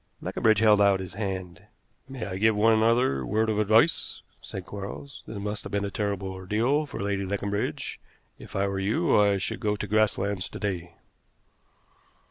Leconbridge held out his hand. "May I give one other word of advice?" said Quarles. "This must have been a terrible ordeal to Lady Leconbridge. If I were you I should go to Grasslands to day."